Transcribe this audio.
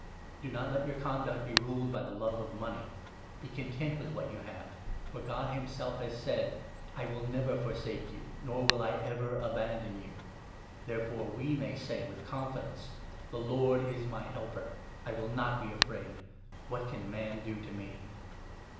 Do not let your conduct be ruled by the love 5 of money. Be content with what you have, for God himself has said —' I will never forsake you, nor will I ever abandon you. ' Therefore we may say with confidence — 6 ' The Lord is my helper, I will not be afraid. What can man do to me